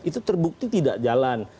itu terbukti tidak jalan